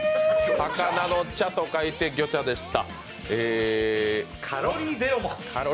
魚の茶と書いて、魚茶でした。